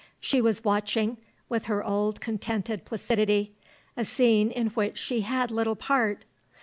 She was watching, with her old contented placidity, a scene in which she had little part.